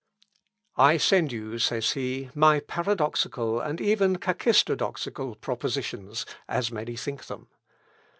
"I send you," says he, "my paradoxical, and even kakistodoxical (κακιστοδοξας) propositions, as many think them.